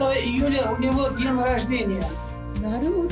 なるほど。